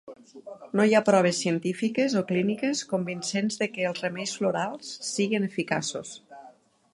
No hi ha proves científiques o clíniques convincents de què els remeis florals siguin eficaços.